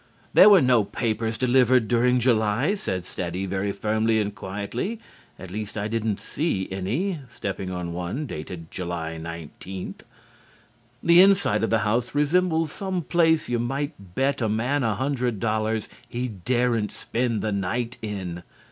"There were no papers delivered during July," says Daddy very firmly and quietly, "at least, I didn't see any." (Stepping on one dated July 19.) The inside of the house resembles some place you might bet a man a hundred dollars he daren't spend the night in.